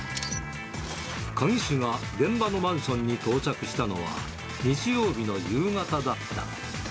鍵師が現場のマンションに到着したのは日曜日の夕方だった。